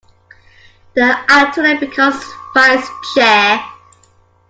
The alternate becomes vice-chair.